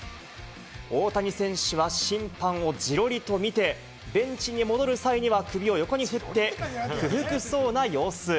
大谷選手は審判をじろりと見て、ベンチに戻る際には首を横に振って、不服そうな様子。